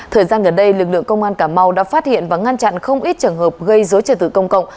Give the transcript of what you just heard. thời gian gần đây lực lượng công an cà mau đã phát hiện và ngăn chặn không ít trường hợp gây dối trật tự công cộng